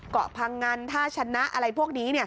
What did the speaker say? เกาะพังงันท่าชนะอะไรพวกนี้